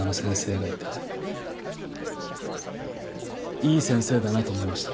いい先生だなと思いました。